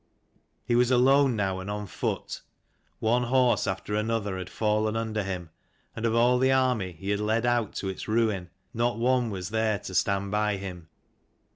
He was alone now, and on foot. One horse after another had fallen under him, and of all the army he had led out to its ruin not one was there to stand by him.